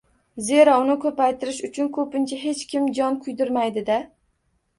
Zero uni ko‘paytirish uchun ko‘pincha hech kim jon kuydirmaydi-da.